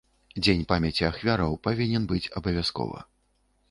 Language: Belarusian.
Дзень памяці ахвяраў павінен быць абавязкова.